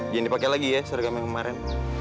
jangan dipakai lagi ya seragam yang kemarin